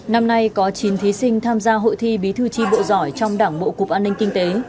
năm nay có chín thí sinh tham gia hội thi bí thư tri bộ giỏi trong đảng bộ cục an ninh kinh tế